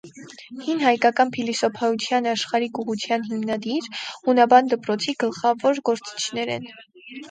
Հին հայկական փիլիսոփայութեան աշխարհիկ ուղղութեան հիմնադիր, յունաբան դպրոցի գլխաւոր գործիչներէն։